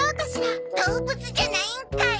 動物じゃないんかい！